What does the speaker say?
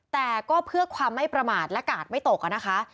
แต่ก็เพื่อความไม่ประมาทและกาดไม่ตกนะคะ